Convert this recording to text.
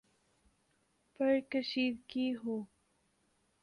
پر کشیدگی ہو،